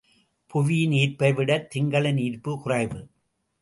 புவியின் ஈர்ப்பைவிடத் திங்களின் ஈர்ப்பு குறைவு.